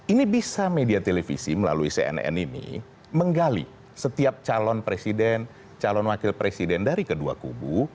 ini bisa media televisi melalui cnn ini menggali setiap calon presiden calon wakil presiden dari kedua kubu